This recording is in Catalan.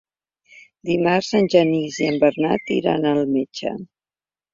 Dimarts en Genís i en Bernat iran al metge.